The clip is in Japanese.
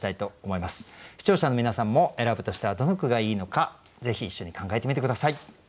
視聴者の皆さんも選ぶとしたらどの句がいいのかぜひ一緒に考えてみて下さい。